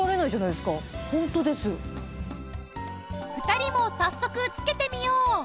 ２人も早速つけてみよう！